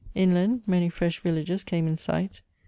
Inland many fresh villages came in sight.